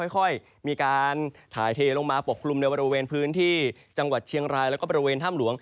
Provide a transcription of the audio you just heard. ค่อยมีการถ่ายเทลงมาปกคลุมในบริเวณพื้นที่จังหวัดเชียงรายแล้วก็บริเวณถ้ำหลวง